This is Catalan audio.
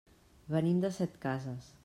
Venim de Setcases.